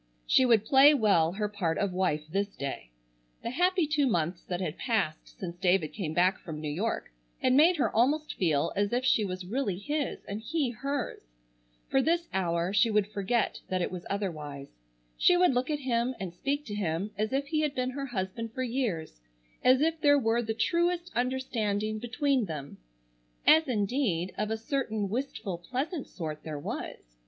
She would play well her part of wife this day. The happy two months that had passed since David came back from New York had made her almost feel as if she was really his and he hers. For this hour she would forget that it was otherwise. She would look at him and speak to him as if he had been her husband for years, as if there were the truest understanding between them,—as indeed, of a certain wistful, pleasant sort there was.